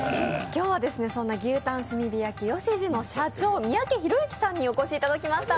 今日は牛たん炭火焼吉次の社長、三宅宏幸さんにお越しいただきました。